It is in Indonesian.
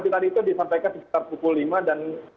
tadi itu disampaikan sekitar pukul lima dan